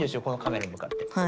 このカメラにむかって。